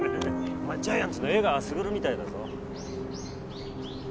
お前ジャイアンツの江川卓みたいだぞ